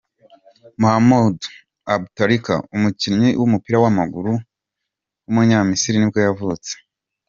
Mohamed Aboutrika, umukinnyi w’umupira w’amaguru w’umunyamisiri nibwo yavutse.